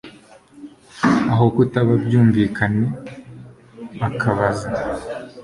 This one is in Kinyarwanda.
Aho kutaba byumvikane bakabaza